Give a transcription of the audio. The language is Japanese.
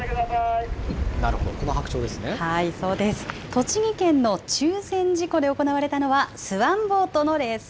栃木県の中禅寺湖で行われたのは、スワンボートのレース。